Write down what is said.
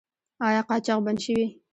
آیا قاچاق بند شوی؟